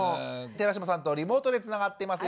寺島さんとリモートでつながっています。